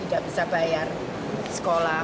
tidak bisa bayar sekolah